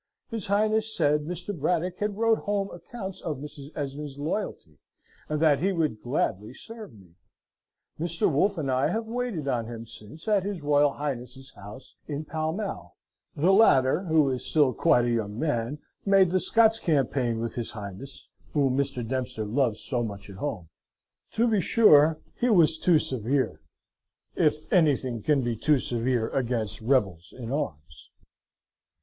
His Royal Highness said, Mr. Braddock had wrote home accounts of Mrs. Esmond's loyalty, and that he would gladly serve me. Mr. Wolfe and I have waited on him since, at his Royal Highness's house in Pall Mall. The latter, who is still quite a young man, made the Scots campaign with his Highness, whom Mr. Dempster loves so much at home. To be sure, he was too severe: if anything can be top severe against rebels in arms.